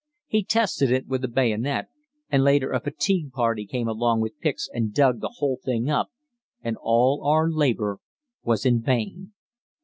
He tested it with a bayonet, and later a fatigue party came along with picks and dug the whole thing up, and all our labor was in vain.